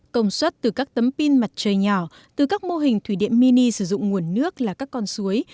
công suất từ các tấm pin mặt trời nhỏ từ các mô hình thủy điện mini sử dụng nguồn nước là các con suối